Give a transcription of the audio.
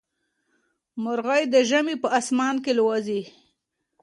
مرغۍ د ژمي په اسمان کې الوزي.